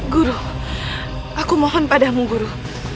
guru aku mohon padamu guru